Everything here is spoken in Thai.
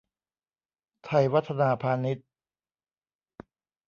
ไทยวัฒนาพานิช